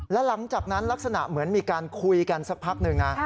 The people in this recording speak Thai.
แล้วหลังจากนั้นลักษณะเหมือนมีการคุยกันสักพักหนึ่งนะ